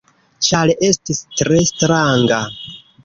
Ĉar estis tre stranga.